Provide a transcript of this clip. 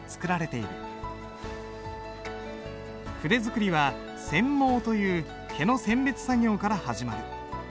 筆作りは選毛という毛の選別作業から始まる。